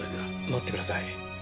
待ってください。